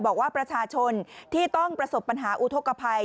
บอกว่าประชาชนที่ต้องประสบปัญหาอุทธกภัย